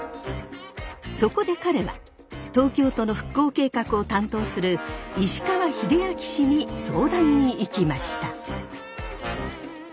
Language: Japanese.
そこで彼は東京都の復興計画を担当する石川栄耀氏に相談に行きました。